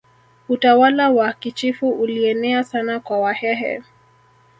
utawala wa kichifu ulienea sana kwa wahehe